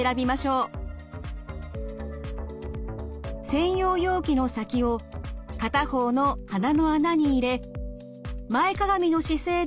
専用容器の先を片方の鼻の穴に入れ前かがみの姿勢で食塩水を流し込みます。